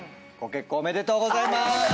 ご結婚おめでとうございます！